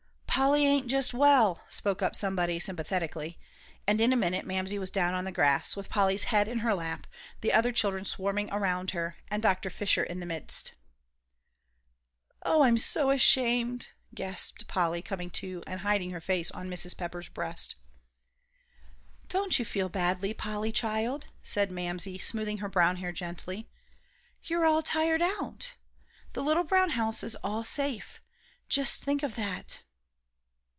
"Polly ain't just well," spoke up somebody, sympathetically, and in a minute Mamsie was down on the grass, with Polly's head in her lap, the other children swarming around her, and Dr. Fisher in the midst. "Oh, I'm so ashamed," gasped Polly, coming to, and hiding her face on Mrs. Pepper's breast. "Don't you feel badly, Polly child," said Mamsie, smoothing her brown hair gently; "you're all tired out. The little brown house is all safe just think of that!"